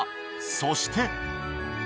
そして。